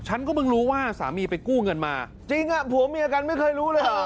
ฉันก็เพิ่งรู้ว่าสามีไปกู้เงินมาจริงผัวเมียกันไม่เคยรู้เลยเหรอ